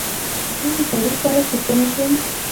زه د تاریخ په اړه پوښتنې کوم.